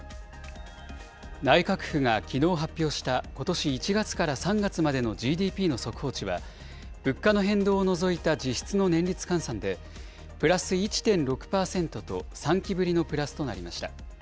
内閣府がきのう発表したことし１月から３月までのＧＤＰの速報値は、物価の変動を除いた実質の年率換算で、プラス１．６％と、３期ぶりのプラスとなりました。